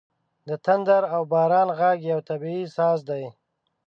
• د تندر او باران ږغ یو طبیعي ساز دی.